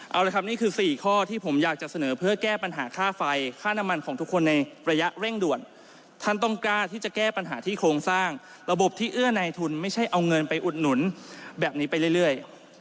เอาละครับนี่คือ๔ข้อที่ผมอยากจะเสนอเพื่อแก้ปัญหาค่าไฟค่าน้ำมันของทุกคนในระยะเร่งด่วนท่านต้องกล้าที่จะแก้ปัญหาที่โครงสร้างระบบที่เอื้อในทุนไม่ใช่เอาเงินไปอุดหนุนแบบนี้ไปเรื่อย